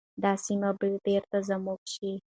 دا سیمي به بیرته زموږ شي.